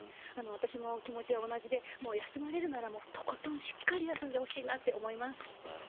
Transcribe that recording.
私も気持ちは同じで、もう休まれるならとことんしっかり休んでほしいなって思います。